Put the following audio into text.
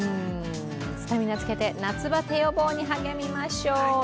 スタミナつけて、夏バテ予防に励みましょう。